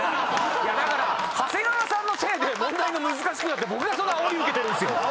だから長谷川さんのせいで問題が難しくなって僕がそのあおりを受けてんすよ。